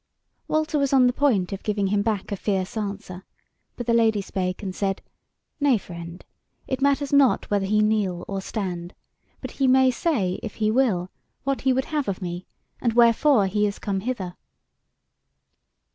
Walter was on the point of giving him back a fierce answer; but the Lady spake and said: "Nay, friend, it matters not whether he kneel or stand; but he may say, if he will, what he would have of me, and wherefore he is come hither."